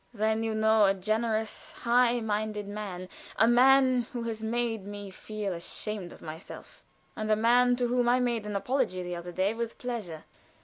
"Then you know a generous, high minded man a man who has made me feel ashamed of myself and a man to whom I made an apology the other day with pleasure."